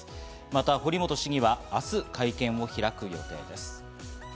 また堀本市議は明日、会見を開く予定です。